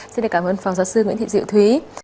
xin cảm ơn phòng giáo sư nguyễn thị diệu thúy